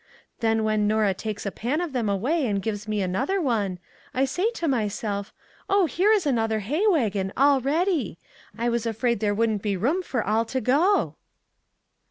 Then when Norah takes a pan of them away > and gives me another one, I say to my self :' Oh, here is another hay wagon all ready! I was afraid there wouldn't be room for all to go!'"